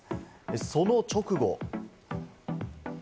その直後。